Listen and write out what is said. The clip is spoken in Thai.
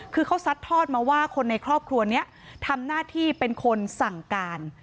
คือเขาซัดทอดมาว่าคนในครอบครัวนี้ทำหน้าที่เป็นคนสั่งการ